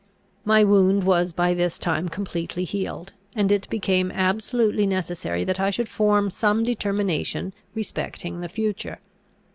My wound was by this time completely healed, and it became absolutely necessary that I should form some determination respecting the future.